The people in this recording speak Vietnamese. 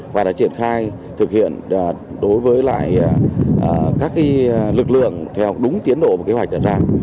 và đã triển khai thực hiện đối với lại các lực lượng theo đúng tiến độ và kế hoạch đã ra